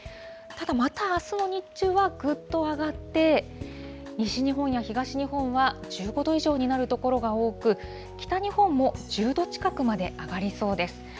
ただ、またあすの日中はぐっと上がって、西日本や東日本は１５度以上になる所が多く、北日本も１０度近くまで上がりそうです。